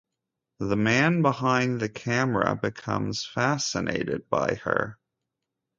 The man behind the camera becomes fascinated by her.